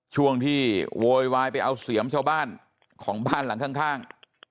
ช่วงที่โวยวายไปเอาเสียมชาวบ้านของบ้านหลังข้าง